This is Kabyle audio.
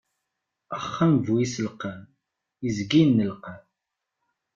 Axxam bu iselqam, izga innelqam.